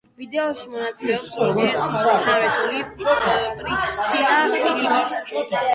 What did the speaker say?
ვიდეოში მონაწილეობს როჯერის მესამე ცოლი, პრისცილა ფილიპსი.